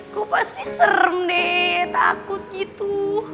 gue pasti serem deh takut gitu